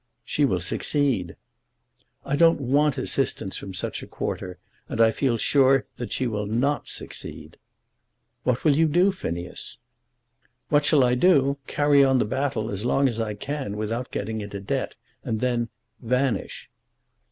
"She will succeed." "I don't want assistance from such a quarter; and I feel sure that she will not succeed." "What will you do, Phineas?" "What shall I do? Carry on the battle as long as I can without getting into debt, and then vanish."